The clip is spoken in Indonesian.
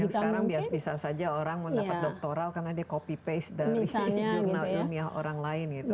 tapi sekarang biasa saja orang mau dapat doktoral karena dia copy paste dari jurnal ilmiah orang lain gitu